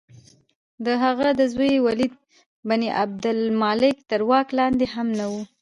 د هغه د زوی ولید بن عبدالملک تر واک لاندې هم نه وه.